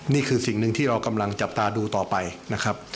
นี่คือสิ่งหนึ่งที่เรากำลังจับตาดูต่อไปนะครับ